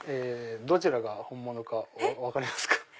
どちらが本物か分かりますか？